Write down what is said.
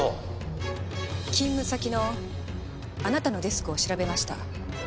勤務先のあなたのデスクを調べました。